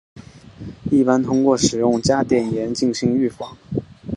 一般通过使用加碘盐进行预防。